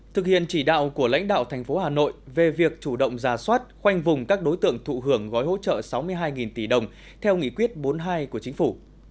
thực hiện chỉ đạo của lãnh đạo thành phố hà nội về việc chủ động ra soát khoanh vùng các đối tượng thụ hưởng gói hỗ trợ sáu mươi hai tỷ đồng theo nghị quyết bốn mươi hai của chính phủ